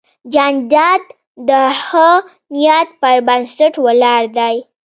جانداد د ښه نیت پر بنسټ ولاړ دی.